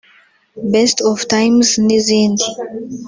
Best of Times n’izindi